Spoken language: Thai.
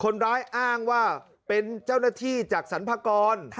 นั่งว่าเป็นเจ้าหน้าที่จากสรรพากร